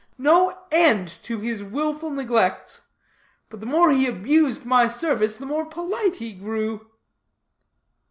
No end to his willful neglects. But the more he abused my service, the more polite he grew."